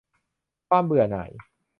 ความเบื่อหน่าย